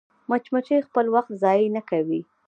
مچمچۍ خپل وخت ضایع نه کوي